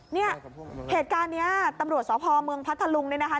เนี่ยเหตุการณ์นี้ตำรวจสพเมืองพัทธลุงเนี่ยนะคะ